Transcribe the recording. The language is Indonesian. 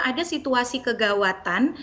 ada situasi kegawatan